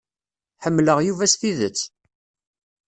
Ḥemmleɣ Yuba s tidet.